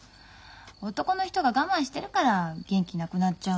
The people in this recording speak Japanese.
男の人が我慢してるから元気なくなっちゃうのよ。